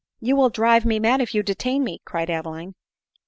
"You will drive me mad if you detain me," cried Adeline.